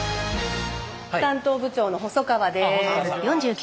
担当部長の細川です。